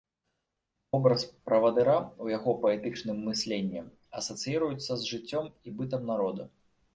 Вобраз правадыра ў яго паэтычным мысленні асацыіруецца з жыццём і бытам народа.